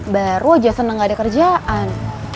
baru aja senang gak ada kerjaan